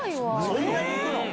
そんなに行くの？